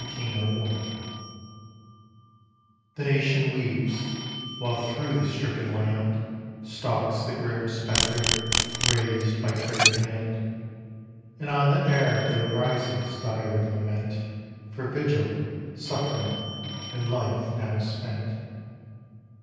_) The nation weeps, while through the stricken land Stalks the grim specter raised by traitor hand; And on the air there rises dire lament For vigil, suffering and life now spent.